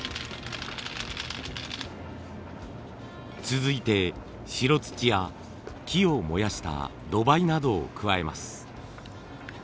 続いて白土や木を燃やした土灰などを加えます。